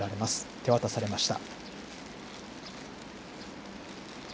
手渡されました。